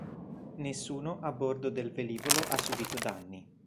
Nessuno a bordo del velivolo ha subito danni.